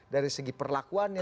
dari segi perlakuannya